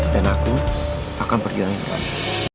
dan aku akan perjuangin kamu